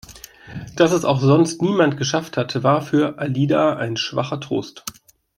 Dass es auch sonst niemand geschafft hatte, war für Alida ein schwacher Trost.